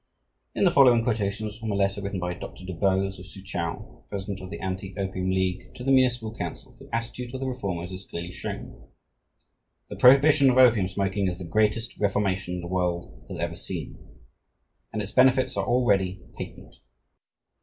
In the following quotations from a letter written by Dr. DuBose, of Soochow, President of the Anti Opium League, to the municipal council, the attitude of the reformers is clearly shown. "The prohibition of opium smoking is the greatest reformation the world has ever seen, and its benefits are already patent.